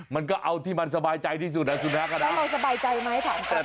มันก็เอาที่มันสบายใจที่สุดนะสุดนักค่ะนะแต่เราสบายใจไหมถามครับ